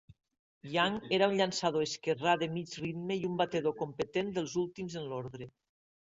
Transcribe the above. Young era un llançador esquerrà de mig ritme i un batedor competent dels últims en l'ordre.